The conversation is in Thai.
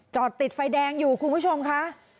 จอดติดไฟแดงอยู่คุณผู้ชมค่ะ